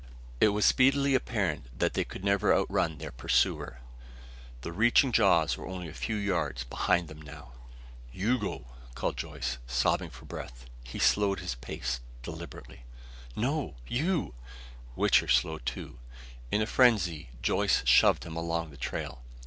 It was speedily apparent that they could never outrun their pursuer. The reaching jaws were only a few yards behind them now. "You go," called Joyce, sobbing for breath. He slowed his pace deliberately. "No you " Wichter slowed too. In a frenzy, Joyce shoved him along the trail.